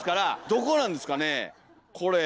どこなんですかねこれ。